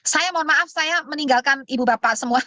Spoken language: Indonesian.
saya mohon maaf saya meninggalkan ibu bapak semua